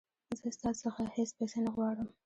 زه ستا څخه هیڅ پیسې نه غواړم.